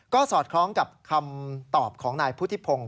ก็สอดคล้องกับคำตอบของนายพุทธิพงศ์